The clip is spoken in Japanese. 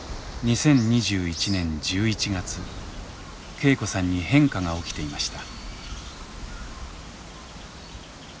恵子さんに変化が起きていました。